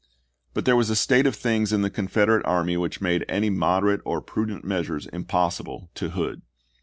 But there was a state of things in the Confederate army which made any moderate or prudent measures impossible to Hood.